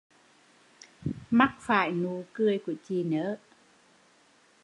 Mắc phải nụ cười của chị nớ